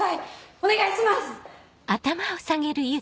お願いします！